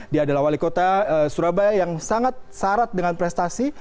dia adalah wali kota surabaya yang sangat syarat dengan prestasi